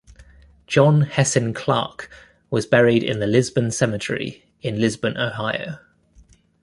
John Hessin Clarke was buried in the Lisbon Cemetery in Lisbon, Ohio.